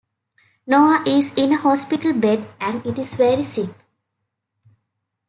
Noah is in a hospital bed and is very sick.